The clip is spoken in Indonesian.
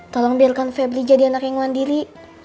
tolong biarkan febri jadi anak yang mandiri